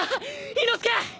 伊之助！